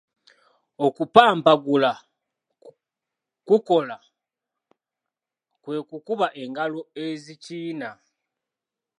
Okupampagula kukola kwe kukuba engalo ezikiina.